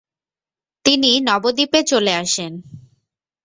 তিনি নবদ্বীপে চলে আসেন।